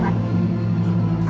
aku mau ke rumah